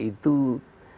itu yang susah ya